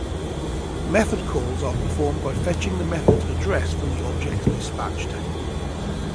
Method calls are performed by fetching the method's address from the object's dispatch table.